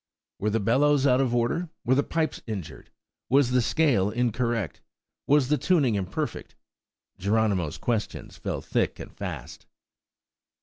Were the bellows out of order? Were the pipes injured? Was the scale incorrect? Was the tuning imperfect? Geronimo's questions fell thick and fast.